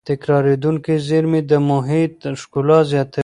تکرارېدونکې زېرمې د محیط ښکلا زیاتوي.